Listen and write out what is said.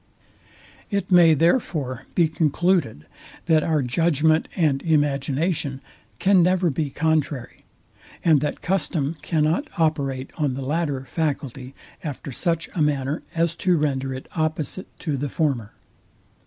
It may, therefore, be concluded, that our judgment and imagination can never be contrary, and that custom cannot operate on the latter faculty after such a manner, as to render it opposite to the former.